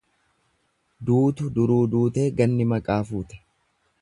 Duutu duruu duutee ganni maqaa fuute.